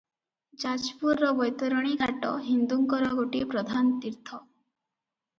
ଯାଜପୁରର ବୈତରଣୀ ଘାଟ ହିନ୍ଦୁଙ୍କର ଗୋଟିଏ ପ୍ରଧାନ ତୀର୍ଥ ।